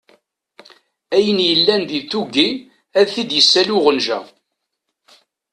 Ayen yellan di tuggi ad t-id-issali uɣenǧa.